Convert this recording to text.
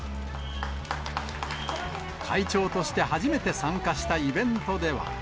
会長として初めて参加したイベントでは。